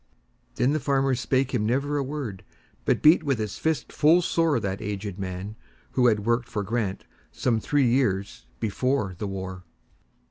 Then the farmer spake him never a word, But beat with his fist full soreThat aged man, who had worked for GrantSome three years before the war.